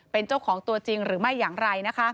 เป็นเจ้าของตัวจริงหรือไม่อย่างไรนะคะ